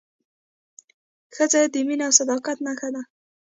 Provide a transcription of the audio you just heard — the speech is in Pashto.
ښځه د مینې او صداقت نښه ده.